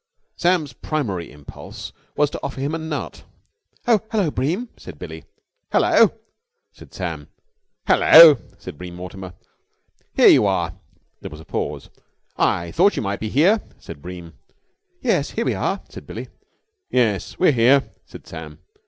Sam's primary impulse was to offer him a nut. "Oh, hello, Bream!" said Billie. "Hullo!" said Sam. "Hullo!" said Bream Mortimer. "Here you are!" There was a pause. "I thought you might be here," said Bream. "Yes, here we are," said Billie. "Yes, we're here," said Sam.